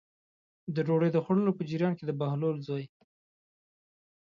د ډوډۍ د خوړلو په جریان کې د بهلول زوی.